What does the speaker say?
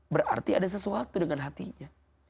berarti ada sesuatu dengan hatinya